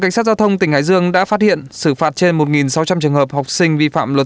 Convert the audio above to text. cảnh sát giao thông tỉnh hải dương đã phát hiện xử phạt trên một sáu trăm linh trường hợp học sinh vi phạm luật